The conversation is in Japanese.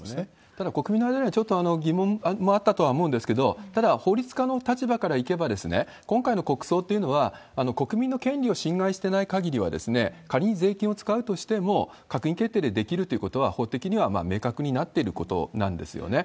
ただ、国民の間では疑問もあったとは思うんですけれども、ただ、法律家の立場からいけば、今回の国葬というのは、国民の権利を侵害してないかぎりは、仮に税金を使うとしても、閣議決定でできるということは、法的には明確になっていることなんですよね。